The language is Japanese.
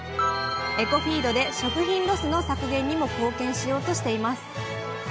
エコフィードで食品ロスの削減にも貢献しようとしています。